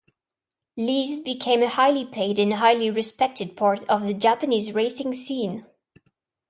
Lees became a highly paid and highly respected part of the Japanese racing scene.